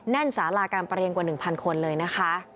นสาราการประเรียนกว่า๑๐๐คนเลยนะคะ